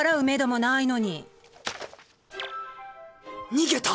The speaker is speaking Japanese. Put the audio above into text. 逃げた！